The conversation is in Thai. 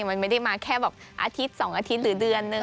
มันไม่ได้มาแค่แบบอาทิตย์๒อาทิตย์หรือเดือนนึง